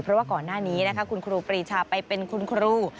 เพราะว่าก่อนหน้านี้นะคะคุณครูปรีชาไปเป็นคุณครู